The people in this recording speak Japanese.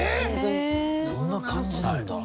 そんな感じなんだ。